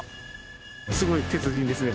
すごい鉄人ですね